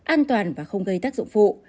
an toàn và không gây tác dụng vụ